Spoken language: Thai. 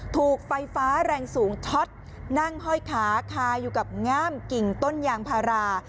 ถูกไฟฟ้าแรงสูงช็อตนั่งห้อยขาคาอยู่กับง่ามกิ่งต้นยางพารา